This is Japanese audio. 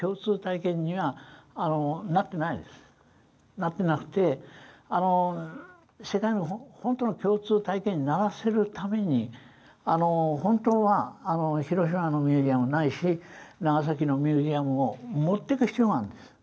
だけれども世界の本当の共通体験にならせるために本当は広島のミュージアムないし長崎のミュージアムを持ってく必要があるんです。